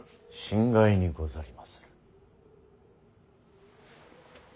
心外にござりまする。